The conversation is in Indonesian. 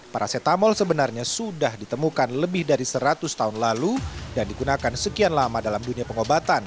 paracetamol sebenarnya sudah ditemukan lebih dari seratus tahun lalu dan digunakan sekian lama dalam dunia pengobatan